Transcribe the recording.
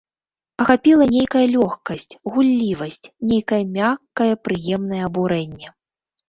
Ахапіла нейкая лёгкасць, гуллівасць, нейкае мяккае, прыемнае абурэнне.